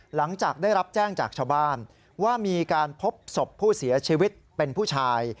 หลังจากได้รับแจ้งจากชาวบ้านว่ามีการพบศพผู้เสียชีวิตเป็นผู้ชาย